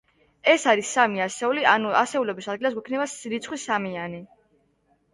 ეს არის სამი ასეული, ანუ ასეულების ადგილას გვექნება რიცხვი სამიანი.